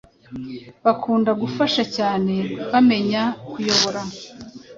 bakunda gufasha cyane, bamenya kuyobora